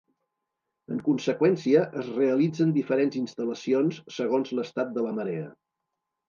En conseqüència, es realitzen diferents instal·lacions segons l'estat de la marea.